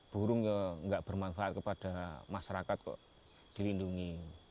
burung nggak bermanfaat kepada masyarakat kok dilindungi